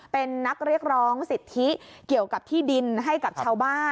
เป็นนักเรียกร้องสิทธิเกี่ยวกับที่ดินให้กับชาวบ้าน